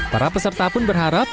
para peserta pun berharap